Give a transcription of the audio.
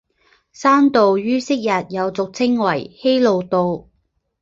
山道于昔日又俗称为希路道。